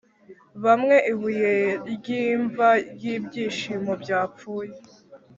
bamwe ibuye ryimva ryibyishimo byapfuye,